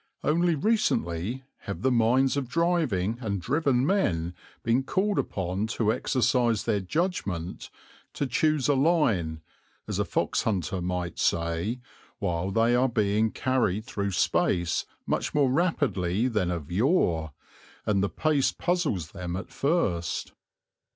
Only recently have the minds of driving and driven men been called upon to exercise their judgment, to choose a line, as a fox hunter might say, while they are being carried through space much more rapidly than of yore, and the pace puzzles them at first.